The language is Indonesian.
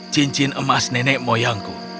cincin emas nenek moyangku